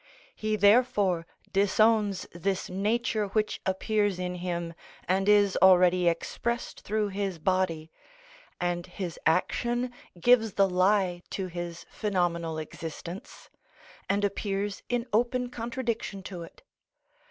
He therefore disowns this nature which appears in him, and is already expressed through his body, and his action gives the lie to his phenomenal existence, and appears in open contradiction to it.